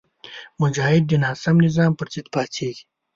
مجاهد د ناسم نظام پر ضد پاڅېږي.